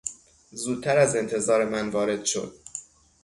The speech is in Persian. زودتر از انتظار من وارد شد.